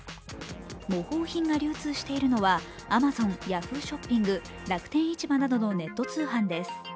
模倣品が流通しているのはＡｍａｚｏｎ、Ｙａｈｏｏ！ショッピング楽天市場などのネット通販です。